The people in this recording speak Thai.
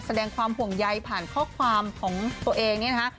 แสดงความห่วงใยผ่านข้อความของตัวเองเนี่ยนะคะ